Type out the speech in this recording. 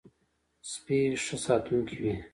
سپي ښه ساتونکی وي.